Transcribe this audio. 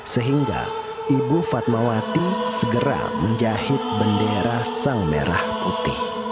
sehingga ibu fatmawati segera menjahit bendera sang merah putih